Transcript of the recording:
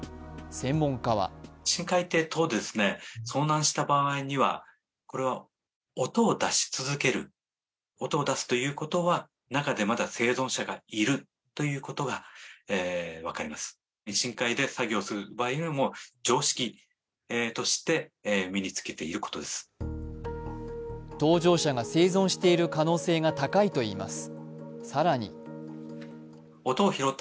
専門家は搭乗者が生存している可能性が高いといいます。